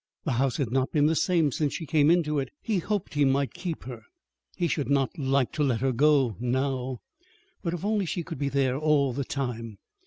The house had not been the same since she came into it. He hoped he might keep her. He should not like to let her go now. But if only she could be there all the time!